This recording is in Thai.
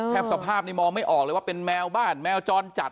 สภาพนี้มองไม่ออกเลยว่าเป็นแมวบ้านแมวจรจัด